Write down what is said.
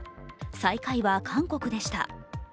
最下位は韓国でした。